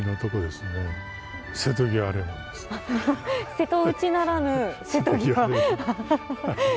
瀬戸内ならぬ瀬戸際。